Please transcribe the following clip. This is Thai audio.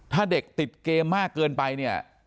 ถ้าเด็กติดเกมมากเกินไปเนี่ย